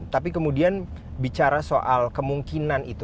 tapi kemudian bicara soal kemungkinan itu